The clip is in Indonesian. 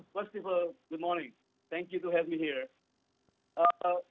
pertama sekali selamat pagi terima kasih telah membantu saya di sini